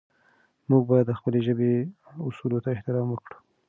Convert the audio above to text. موږ باید د خپلې ژبې اصولو ته احترام وکړو.